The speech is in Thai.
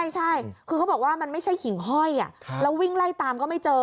ใช่คือเขาบอกว่ามันไม่ใช่หิ่งห้อยแล้ววิ่งไล่ตามก็ไม่เจอ